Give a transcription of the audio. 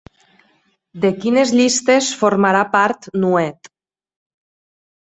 De quines llistes formarà part Nuet?